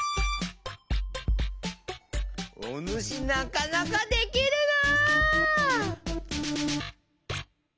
おぬしなかなかできるな！